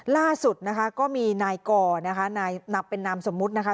ล่าสุดนะคะก็มีนายก่อนะคะนายเป็นนามสมมุตินะคะ